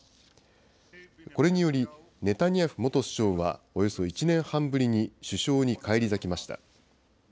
これにより、ネタニヤフ元首相はおよそ１年半ぶりに首相に返り咲きました。